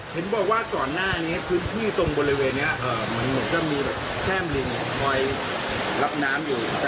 มอยรับน้ำอยู่แต่ตอนนี้เป็นยังไงครับผม